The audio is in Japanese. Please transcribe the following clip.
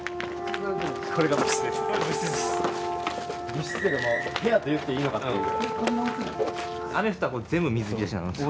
部室というか部屋と言っていいのかっていう。